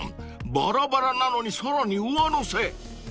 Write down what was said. ばらばらなのにさらに上乗せ］